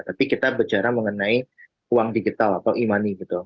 tapi kita bicara mengenai uang digital atau e money gitu